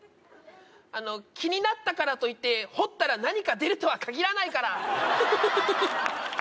あの気になったからといって掘ったら何か出るとは限らないからハハハハハ